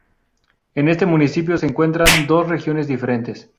En este municipio se encuentran dos regiones diferentes.